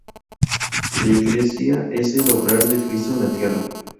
La Iglesia es el obrar de Cristo en la tierra.